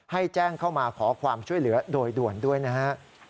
ให้แจ้งเข้ามาขอความช่วยเหลือโดยด่วนด้วยนะฮะ